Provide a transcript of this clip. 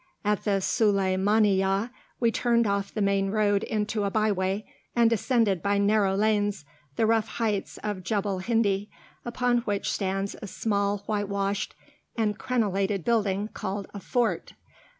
At the Sulaymaniyah we turned off the main road into a by way, and ascended by narrow lanes the rough heights of Jebel Hindi, upon which stands a small whitewashed and crenellated building called a "fort."